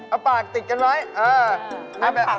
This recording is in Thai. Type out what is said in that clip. เอาปากติดกันไว้เออ